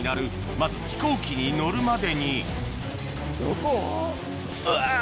まず飛行機に乗るまでにうわ。